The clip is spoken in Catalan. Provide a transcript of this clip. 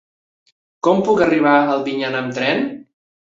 Com puc arribar a Albinyana amb tren?